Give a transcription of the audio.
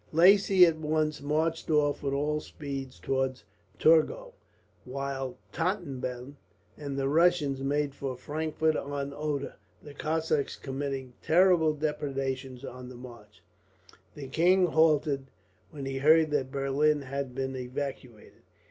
Lacy at once marched off with all speed towards Torgau; while Tottleben and the Russians made for Frankfort on Oder, the Cossacks committing terrible depredations on the march. The king halted when he heard that Berlin had been evacuated.